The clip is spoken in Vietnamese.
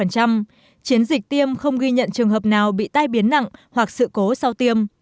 chiến dịch tiêm không ghi nhận trường hợp nào bị tai biến nặng hoặc sự cố sau tiêm